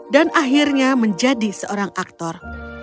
dan akhirnya menjadi seorang aktor